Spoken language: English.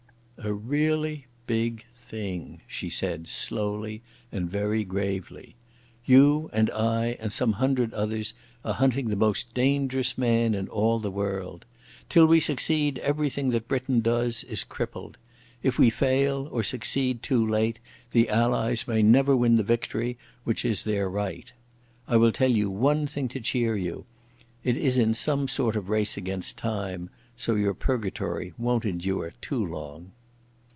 "A—really—big—thing," she said slowly and very gravely. "You and I and some hundred others are hunting the most dangerous man in all the world. Till we succeed everything that Britain does is crippled. If we fail or succeed too late the Allies may never win the victory which is their right. I will tell you one thing to cheer you. It is in some sort a race against time, so your purgatory won't endure too long."